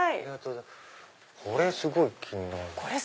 これすごい気になる。